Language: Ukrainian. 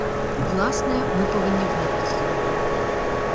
Власне, ми повинні вмерти.